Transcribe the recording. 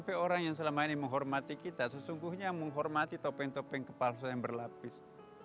tapi orang yang selama ini menghormati kita sesungguhnya menghormati topeng topeng kepalsu yang berlapis